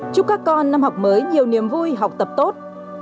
chúc các con năm học mới nhiều niềm vui học tập tốt